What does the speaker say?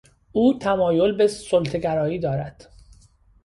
او تمایل به سلطهگرایی دارد.